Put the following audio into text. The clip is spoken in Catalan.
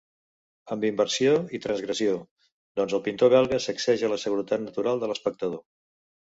Amb inversió i transgressió, doncs, el pintor belga sacseja la seguretat natural de l'espectador.